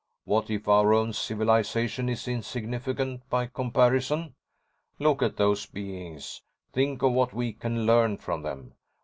What if our own civilization is insignificant by comparison? Look at those beings. Think of what we can learn from them.